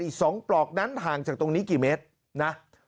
อีก๒ปลอกนั้นห่างจากตรงนี้กี่เมตรนะ